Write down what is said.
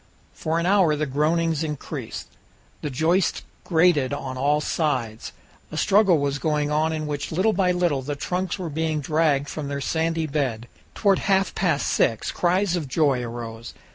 For an hour the groanings increased. The joists grated on all sides. A struggle was going on in which little by little the trunks were being dragged from their sandy bed. Toward half past six cries of joy arose.